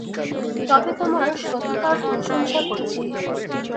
তবে তোমার সততার প্রশংসা করছি।